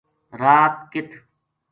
رات کِ